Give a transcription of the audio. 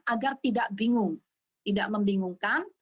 agar tidak bingung tidak membingungkan